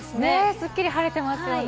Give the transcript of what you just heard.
すっきり晴れてますね。